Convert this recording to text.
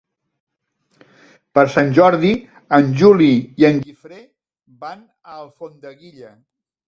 Per Sant Jordi en Juli i en Guifré van a Alfondeguilla.